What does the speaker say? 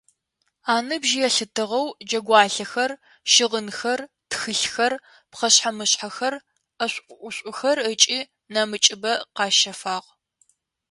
Аныбжь елъытыгъэу джэгуалъэхэр, щыгъынхэр, тхылъхэр, пхъэшъхьэ-мышъхьэхэр, ӏэшӏу-ӏушӏухэр ыкӏи нэмыкӏыбэ къафащагъ.